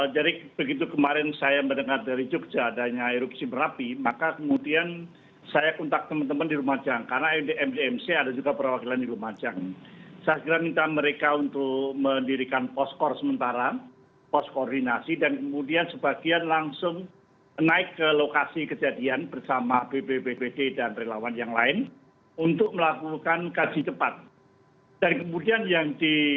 jadi begitu kemarin saya mendengar dari jogja adanya erupsi berapi maka kemudian saya kuntak teman teman di lumajang